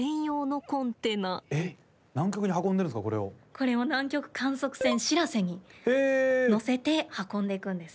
これを南極観測船しらせにのせて運んでいくんです。